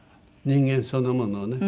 人間そのものね。